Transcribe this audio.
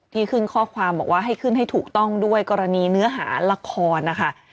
ที่ขึ้นข้อความบอกว่าให้ขึ้นให้ถูกต้องด้วยกรณีเนื้อหาละครนะคะ